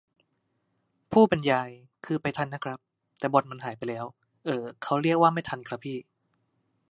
ผู้บรรยาย :"คือไปทันนะครับ แต่บอลมันหายไปแล้ว" เอ่อ เค้าเรียกว่าไม่ทันครับพี่